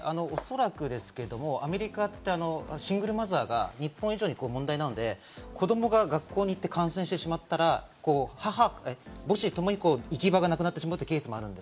アメリカってシングルマザーが日本以上に問題なので子供が学校に行って感染してしまったら母子ともに行き場がなくなってしまうケースがある。